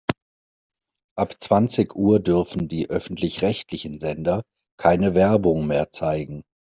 Ab zwanzig Uhr dürfen die öffentlich-rechtlichen Sender keine Werbung mehr zeigen.